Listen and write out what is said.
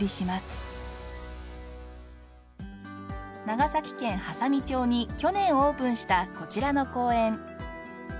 長崎県波佐見町に去年オープンしたこちらの公園。